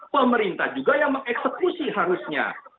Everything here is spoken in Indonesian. pemerintah juga yang mengeksekusi harusnya